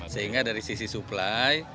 sehingga dari sisi suplai